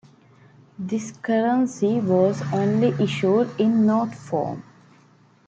This currency was only issued in note form.